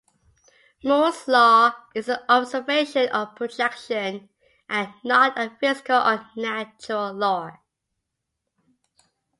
Moore's law is an observation or projection and not a physical or natural law.